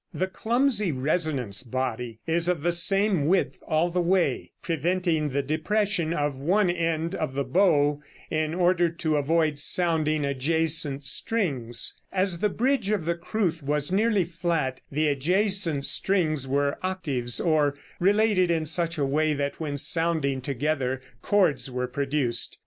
The clumsy resonance body is of the same width all the way, preventing the depression of one end of the bow in order to avoid sounding adjacent strings. As the bridge of the crwth was nearly flat, the adjacent strings were octaves, or related in such a way that when sounding together chords were produced.